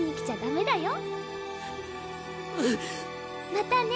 またね。